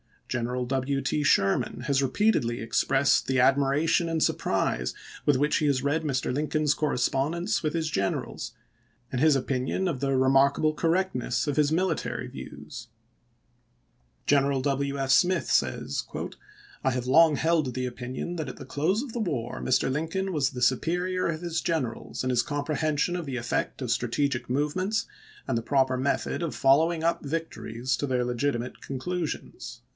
General W. T. Sher man has repeatedly expressed the admiration and surprise with which he has read Mr. Lincoln's correspondence with his generals, and his opinion of the remarkable correctness of his military views. Vol. X— 23 354 ABEAHAM LINCOLN Ch. XVIII. " Lincoln Memorial Album," p. 555. General W. F. Smith says :" I have long held to the opinion that at the close of the war Mr. Lincoln was the superior of his generals in his comprehen sion of the effect of strategic movements and the proper method of following up victories to their legitimate conclusions."